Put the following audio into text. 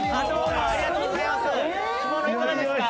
干物いかがですか？